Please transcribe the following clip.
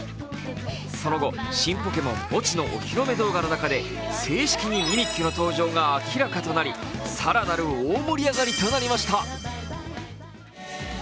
その後、新ポケモン・ボチのお披露目動画の中で正式にミミッキュの登場が明らかになり更なる大盛り上がりとなりました。